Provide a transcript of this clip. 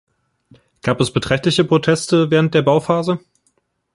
Gab es beträchtliche Proteste während der Bauphase?